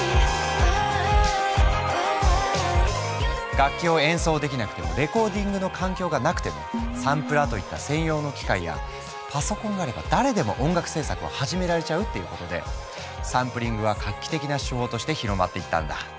楽器を演奏できなくてもレコーディングの環境がなくてもサンプラーといった専用の機械やパソコンがあれば誰でも音楽制作を始められちゃうっていうことでサンプリングは画期的な手法として広まっていったんだ。